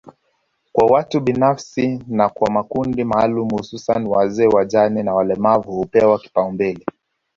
kwa watu binafsi na kwa makundi maalumu hususani wazee wajane na walemavu hupewa kipaumbele